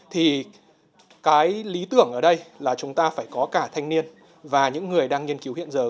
thì cái lý tưởng ở đây là chúng ta phải có cả thanh niên và những người đang nghiên cứu hiện giờ